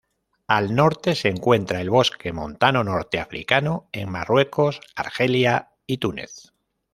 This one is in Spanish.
Al norte se encuentra el bosque montano norteafricano, en Marruecos, Argelia y Túnez.